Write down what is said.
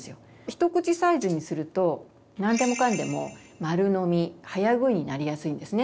ひとくちサイズにすると何でもかんでも丸飲み早食いになりやすいんですね。